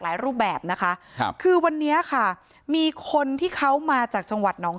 รูปแบบนะคะครับคือวันนี้ค่ะมีคนที่เขามาจากจังหวัดหนอง